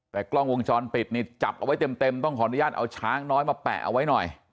แต่กล้องวงจรปิดนี่จับเอาไว้เต็มต้องขออนุญาตเอาช้างน้อยมาแปะเอาไว้หน่อย